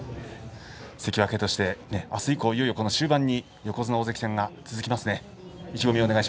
関脇として、あす以降の終盤に横綱大関戦が続きますね。